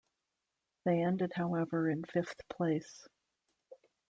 They ended, however, in fifth place.